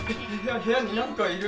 部屋になんかいる！